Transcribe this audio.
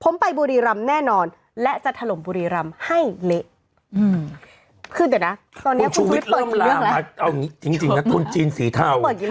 คุณชุวิตเลิกเปิดอีกเรื่องอะ